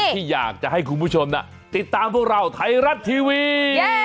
ที่อยากจะให้คุณผู้ชมติดตามพวกเราไทยรัฐทีวี